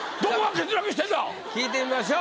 聞いてみましょう。